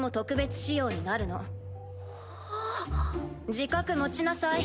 自覚持ちなさい。